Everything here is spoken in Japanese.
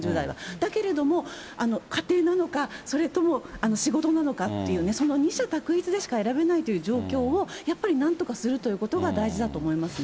だけれども、家庭なのか、それとも仕事なのかっていうね、その二者択一でしか選べないという状況を、やっぱりなんとかするというのが大事だと思いますね。